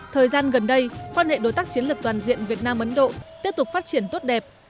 thời gian gần đây quan hệ đối tác chiến lược toàn diện việt nam ấn độ tiếp tục phát triển tốt đẹp